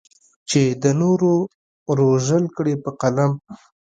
چې د نورو رژول کړې په قلم کې.